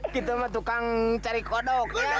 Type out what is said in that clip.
kita sama tukang cari kodok